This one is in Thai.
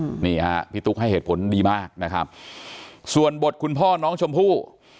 นี่ฮะพี่ตุ๊กให้เหตุผลดีมากนะครับส่วนบทคุณพ่อน้องชมพู่